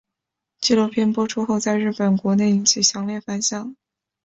纪录片播出后在日本国内引起强烈反响。